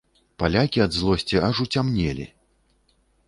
Палякі ад злосці аж уцямнелі.